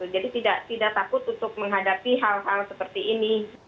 jadi tidak takut untuk menghadapi hal hal seperti ini